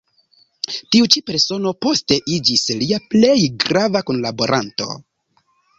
Tiu ĉi persono poste iĝis lia plej grava kunlaboranto.